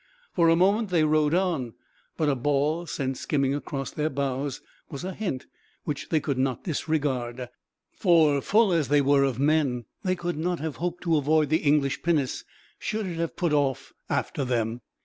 For a moment they rowed on, but a ball, sent skimming across their bows, was a hint which they could not disregard; for, full as they were of men, they could not have hoped to avoid the English pinnace, should it have put off after them.